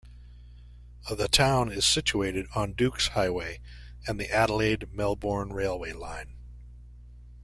The town is situated on Dukes Highway and the Adelaide-Melbourne railway line.